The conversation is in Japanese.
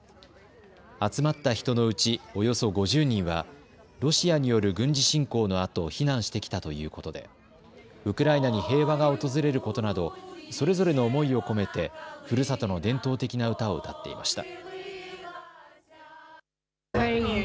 集まった人のうちおよそ５０人はロシアによる軍事侵攻のあと避難してきたということでウクライナに平和が訪れることなどそれぞれの思いを込めてふるさとの伝統的な歌を歌っていました。